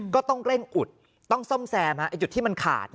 ก็ต้องเร่งอุดต้องซ่อมแซมจุดที่มันขาด